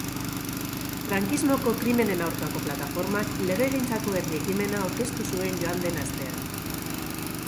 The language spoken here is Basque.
Frankismoko krimenen aurkako plataformak legegintzako herri-ekimena aurkeztu zuen joan den astean.